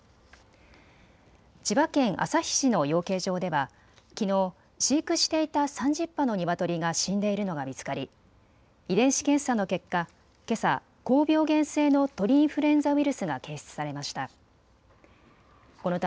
千葉県旭市の養鶏場ではきのう飼育していた３０羽のニワトリが死んでいるのが見つかり遺伝子検査の結果、けさ高病原性の鳥インフルエンザウイルスが検出されました。